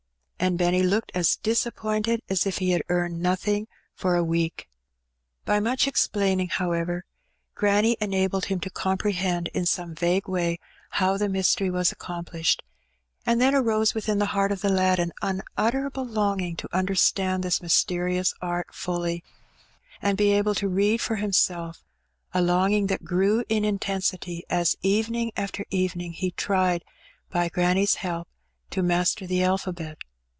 And Benny looked as disappointed as if ha had earned nothing for a week. By much explaining, however, granny enabled him to comprehend in some vague way how the mystery was In which Benny makes a Discovery. 59 accomplished; and then arose within the heart of the lad an unutterable longing to understand this mysterious art fully, and be able to read for himself — a loiiging that grew in intensity as evening after evening he tried, by granny^s help, to master the alphabet.